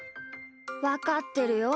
わかってるよ。